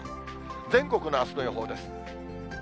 全国のあすの予報です。